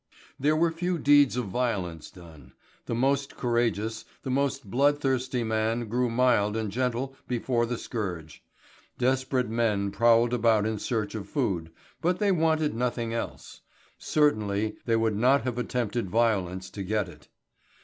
There were few deeds of violence done. The most courageous, the most bloodthirsty man grew mild and gentle before the scourge. Desperate men prowled about in search of food, but they wanted nothing else. Certainly they would not have attempted violence to get it.